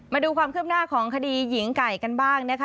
มาดูความคืบหน้าของคดีหญิงไก่กันบ้างนะคะ